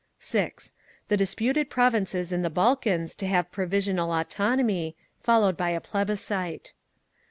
(6) The disputed provinces in the Balkans to have provisional autonomy, followed by a plebiscite.